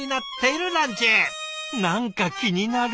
何か気になる。